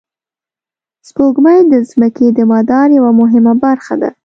سپوږمۍ د ځمکې د مدار یوه مهمه برخه ده